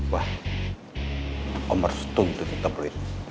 wah om harus tuh gitu